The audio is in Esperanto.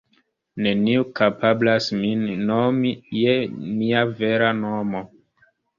Neniu kapablas min nomi je mia vera nomo.